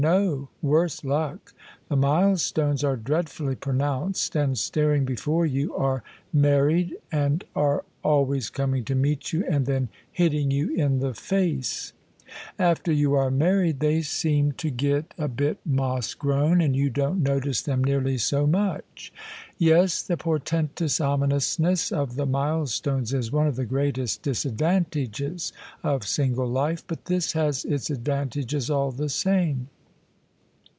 " No: worse luck I The milestones are dreadfully pronounced and staring before jrou are mar ried, and are always coming to meet you and then hitting you in the face« After you are married they seem to get THE SUBJECTION a bit moss grown, and you don't notice them nearly so mudi. Yes: the portentous ominousness of the milestones is one of the greatest disadvantages of single life: but this has its advantages all the same."